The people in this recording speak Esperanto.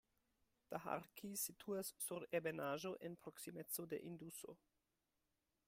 Daharki situas sur ebenaĵo en proksimeco de Induso.